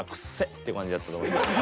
って感じやったと思います。